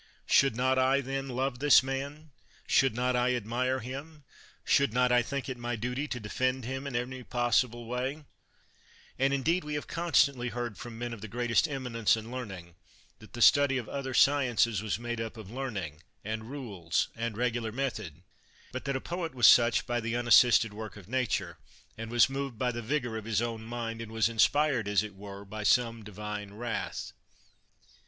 Should not I, then, love this mant should not I admire himt eJiould not I think it my duty to defend him in every possible way ? And, indeed, we have constantly heard from men of the great est eminence and learning, that the study of other sciences was made up of learning, and rules, and regular method; but that a poet was such by the unassisted work of nature, and was moved by the vigor of his own mind, and was inspired, as it were, by some divine wrath.